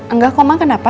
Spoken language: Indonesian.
enggak kok ma kenapa